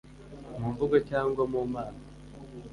mu mvugo cyangwa mu mpano